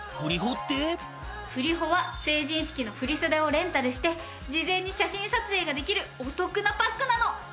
ふりホは成人式の振袖をレンタルして事前に写真撮影ができるお得なパックなの！